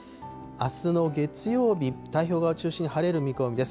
あすの月曜日、太平洋側を中心に晴れる見込みです。